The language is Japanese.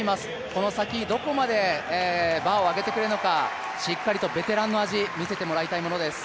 この先、どこまでバーを上げてくれるのか、しっかりとベテランの味、見せてもらいたいものです。